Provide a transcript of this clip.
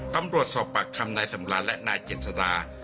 ตำรวจสอบปรักคำนายสำราวน์และนายเจศดา